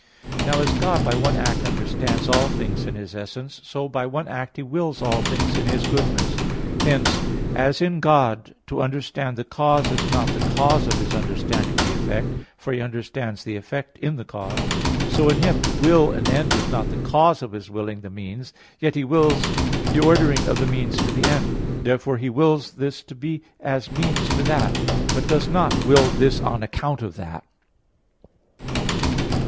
Now as God by one act understands all things in His essence, so by one act He wills all things in His goodness. Hence, as in God to understand the cause is not the cause of His understanding the effect, for He understands the effect in the cause, so, in Him, to will an end is not the cause of His willing the means, yet He wills the ordering of the means to the end. Therefore, He wills this to be as means to that; but does not will this on account of that.